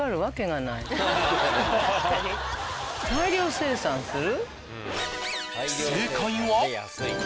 大量生産する？